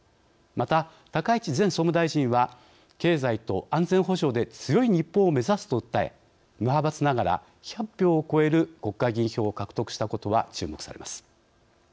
また高市前総務大臣は経済と安全保障で強い日本を目指すと訴え無派閥ながら１００票を超える国会議員票を獲得したことは注目されます。